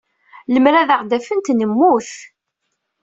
Lemmer ad aɣ-d-afent, nemmut.